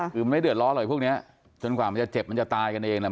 คือไม่เดือดร้อนอะไรพวกเนี้ยจนกว่ามันจะเจ็บมันจะตายกันเองนะ